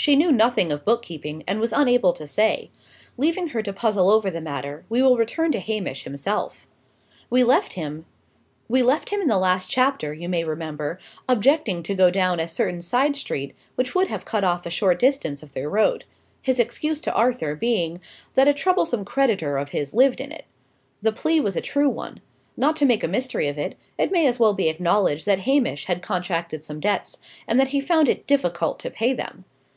She knew nothing of book keeping, and was unable to say. Leaving her to puzzle over the matter, we will return to Hamish himself. We left him in the last chapter, you may remember, objecting to go down a certain side street which would have cut off a short distance of their road; his excuse to Arthur being, that a troublesome creditor of his lived in it. The plea was a true one. Not to make a mystery of it, it may as well be acknowledged that Hamish had contracted some debts, and that he found it difficult to pay them.